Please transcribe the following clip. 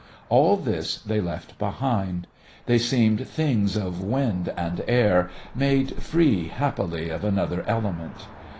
All this they left behind. They seemed things of wind and air, made free happily of another element.